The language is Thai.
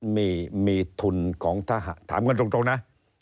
มีทุนของทหารถามกันตรงนะ